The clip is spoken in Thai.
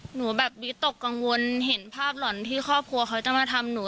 หนูแบบวิตกกังวลเห็นภาพหล่อนที่ครอบครัวเขาจะมาทำหนู